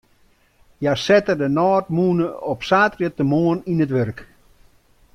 Hja sette de nôtmûne op saterdeitemoarn yn it wurk.